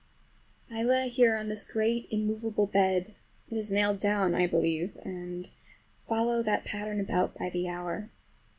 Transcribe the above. I lie here on this great immovable bed—it is nailed down, I believe—and follow that pattern about by the hour.